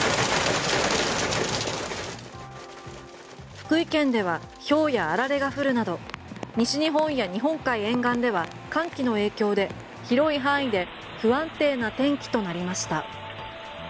福井県ではひょうやあられが降るなど西日本や日本海沿岸では寒気の影響で広い範囲で不安定な天気となりました。